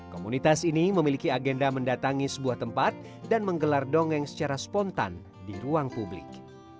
komunitas ini memiliki agenda mendatangi sebuah tempat dan menggelar dongeng secara spontan di ruang publik